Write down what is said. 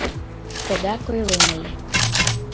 — Тыгак ойлем ыле!